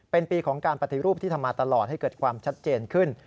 เป็นปีของการปฏิรูปที่ทำมาตลอดให้เกิดความชัดเจนขึ้น